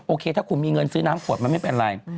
โอเคถ้าคุณมีเงินซื้อน้ำขวดมันไม่เป็นไร